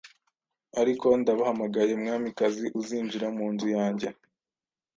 ariko ndabahamagaye Mwamikazi, uzinjira mu nzu yanjye?